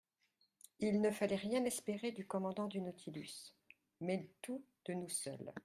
Il ne fallait rien espérer du commandant du Nautilus, mais tout de nous seuls.